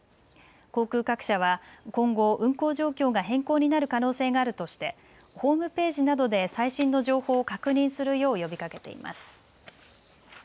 航空各社は今後、運航状況が変更になる可能性があるとしてホームページなどで最新の情報を確認するよう呼びかけています。